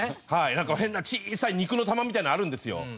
なんか変な小さい肉の玉みたいなのあるんですよ。